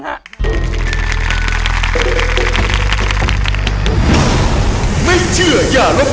สวัสดีครับ